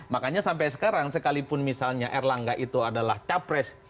makanya sampai sekarang sekalipun misalnya erlangga itu adalah capres